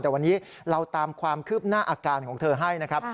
แต่วันนี้เราตามความคืบหน้าอาการของเธอให้นะครับ